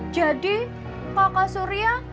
jadi kakak surya